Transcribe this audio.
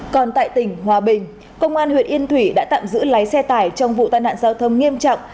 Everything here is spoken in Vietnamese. còn tại tỉnh hòa bình công an huyện yên thủy đã tạm giữ lái xe tải trong vụ tai nạn giao thông nghiêm trọng